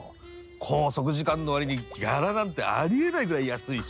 拘束時間の割にギャラなんてありえないぐらい安いし。